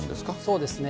そうですね。